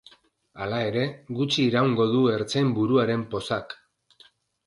Hala ere, gutxi iraungo du ertzain-buruaren pozak.